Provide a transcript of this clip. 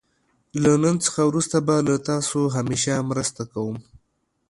له نن څخه وروسته به له تاسو همېشه مرسته کوم.